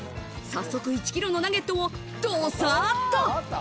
早速１キロのナゲットをどさっと。